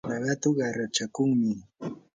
laqatu qarachakunmi.